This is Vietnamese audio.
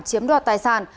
chiếm đoạt tài sản